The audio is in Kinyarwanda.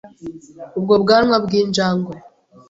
ubwo bwanwa bw’injangwe